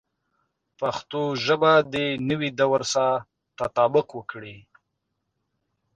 پښتو ژبه د نوي دور سره تطابق وکړي.